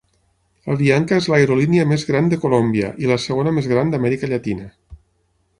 Avianca és l'aerolínia més gran de Colòmbia i la segona més gran d'Amèrica Llatina.